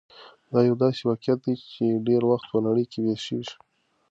دا يو داسې واقعيت دی چې ډېری وخت په نړۍ کې پېښېږي.